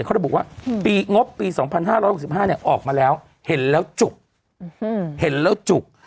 เขาระบุว่าปีงบปี๒๕๖๕ออกมาแล้วเห็นแล้วจุกเห็นแล้วจุก